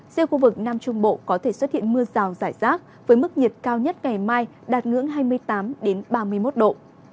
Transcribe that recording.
riêng khu vực nam trung bộ có thể xuất hiện mưa rào rải rác với mức nhiệt cao nhất ngày mai đạt ngưỡng hai mươi tám ba mươi một độ